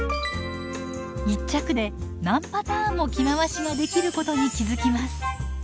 一着で何パターンも着回しができることに気付きます。